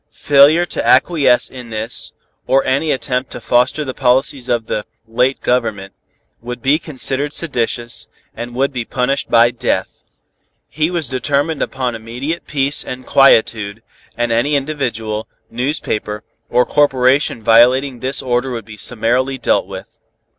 Failure to acquiesce in this, or any attempt to foster the policies of the late government, would be considered seditious, and would be punished by death. He was determined upon immediate peace and quietude, and any individual, newspaper or corporation violating this order would be summarily dealt with.